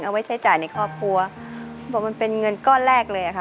เอาไว้ใช้จ่ายในครอบครัวบอกมันเป็นเงินก้อนแรกเลยค่ะ